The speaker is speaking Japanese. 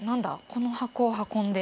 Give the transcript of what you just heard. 「この箱を運んで」